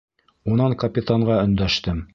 Унан капитанға өндәштем: